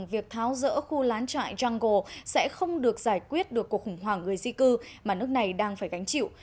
việc tháo rỡ khu lán trại gănggo sẽ không được giải quyết được cuộc khủng hoảng người di cư mà nước này đang phải gánh chịu